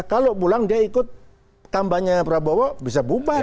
kalau pulang dia ikut kampanye prabowo bisa bubar